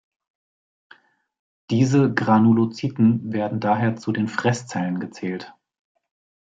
Diese Granulozyten werden daher zu den „Fresszellen“ gezählt.